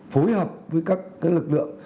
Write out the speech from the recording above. phối hợp với các lực lượng